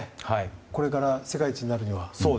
これから世界一になるには。